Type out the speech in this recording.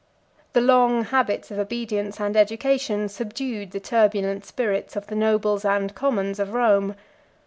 The long habits of obedience and education subdued the turbulent spirit of the nobles and commons of Rome.